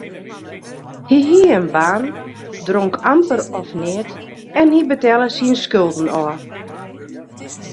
Hy hie in baan, dronk amper of neat en hy betelle syn skulden ôf.